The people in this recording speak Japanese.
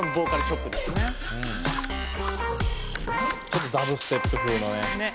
ちょっとダブステップ風のね。